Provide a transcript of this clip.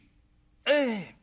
「ええ。